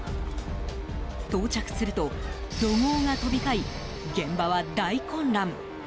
到着すると怒号が飛び交い、現場は大混乱。